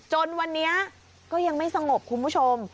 จนวันนี้ก็ยังไม่สงบคุณผู้ชม